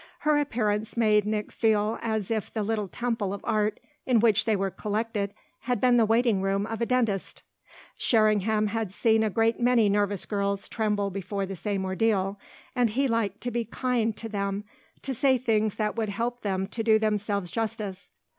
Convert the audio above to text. Her appearance made Nick feel as if the little temple of art in which they were collected had been the waiting room of a dentist. Sherringham had seen a great many nervous girls tremble before the same ordeal, and he liked to be kind to them, to say things that would help them to do themselves justice.